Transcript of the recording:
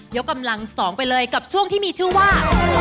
กำลัง๒ไปเลยกับช่วงที่มีชื่อว่า